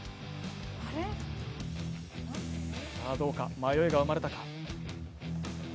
迷いが生まれたか？